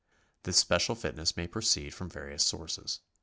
This special fitness may proceed from various sources.